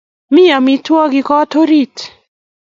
Mi amitwogik kot orit